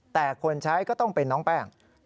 แต่คนใช้ก็ต้องเป็นน้องแป้ง